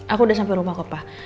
aku udah sampe rumah kok pak